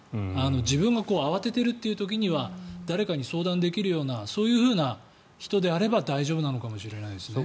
自分が慌てているという時には誰かに相談できるようなそういうふうな人であれば大丈夫なのかもしれないですね。